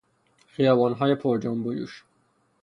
خیبانهای پرجنب و جوش